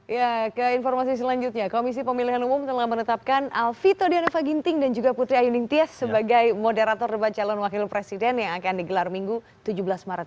ya ke informasi selanjutnya komisi pemilihan umum telah menetapkan alvito dianova ginting dan juga putri ayuning tias sebagai moderator debat calon wakil presiden yang akan digelar minggu tujuh belas maret